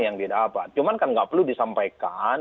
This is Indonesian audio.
yang didapat cuman kan nggak perlu disampaikan